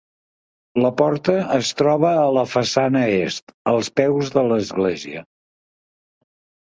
La porta es troba a la façana est, als peus de l'església.